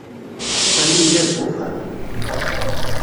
Sami yella deg uxxam.